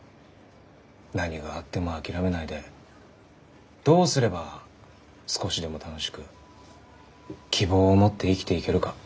何があっても諦めないでどうすれば少しでも楽しく希望を持って生きていけるか。